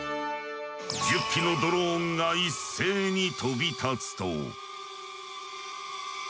１０機のドローンが一斉に飛び立つと。